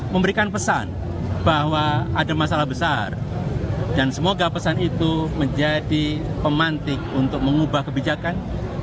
memberikan pesan bahwa ada masalah besar dan semoga pesan itu menjadi pemantik untuk mengubah kebijakan